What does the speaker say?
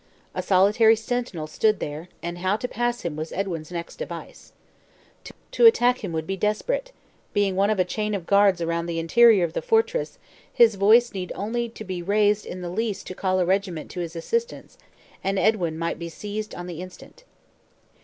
A solitary sentinel stood there; and how to pass him was Edwin's next device. To attack him would be desparate; being one of a chain of guards around the interior of the fortress, his voice need only to be raised in the least to call a regiment to his assistance, and Edwin might be seized on the instant.